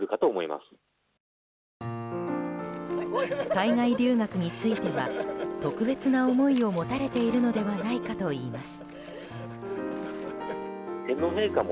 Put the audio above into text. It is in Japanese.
海外留学については特別な思いを持たれているのではないかといいます。